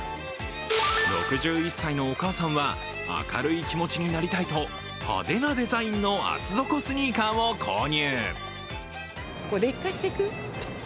６１歳のお母さんは、明るい気持ちになりたいと、派手なデザインの厚底スニーカーを購入。